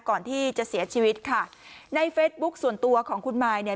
ก่อนที่จะเสียชีวิตค่ะในเฟซบุ๊คส่วนตัวของคุณมายเนี่ย